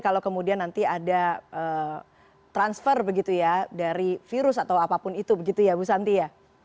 kalau kemudian nanti ada transfer begitu ya dari virus atau apapun itu begitu ya bu santi ya